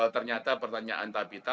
ternyata pertanyaan tabita